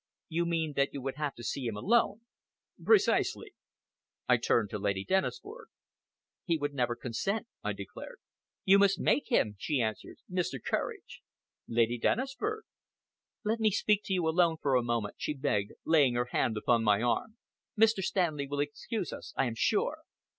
"You mean that you would have to see him alone?" "Precisely!" I turned to Lady Dennisford. "He would never consent!" I declared. "You must make him," she answered. "Mr. Courage!" "Lady Dennisford!" "Let me speak to you alone for a moment," she begged, laying her hand upon my arm. "Mr. Stanley will excuse us, I am sure."